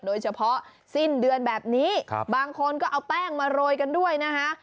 โดยเฉพาะสิ้นเดือนแบบนี้บางคนก็เอาแป้งมาโรยกันด้วยนะคะ